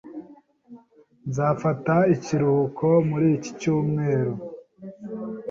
Nzafata ikiruhuko muri iki cyumweru.